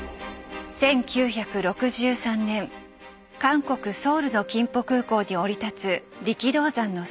１９６３年韓国ソウルの金浦空港に降り立つ力道山の姿。